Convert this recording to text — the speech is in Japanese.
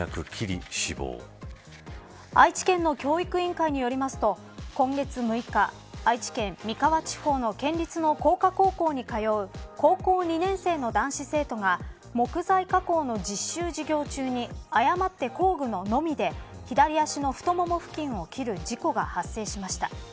愛知県の教育委員会によりますと今月６日、愛知県三河地方の県立の工科高校に通う高校２年生の男子生徒が木材加工の実習授業中に誤って工具ののみで左足の太もも付近を切る事故が発生しました。